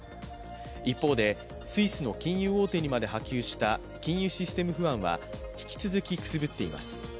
一方で、スイスの金融大手にまで波及した金融システム不安は引き続きくすぶっています。